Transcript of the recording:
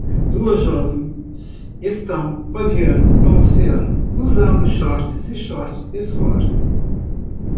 Duas jovens estão vadeando no oceano usando shorts e shorts de suor.